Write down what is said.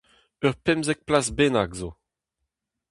Ur pemzek plas bennak zo.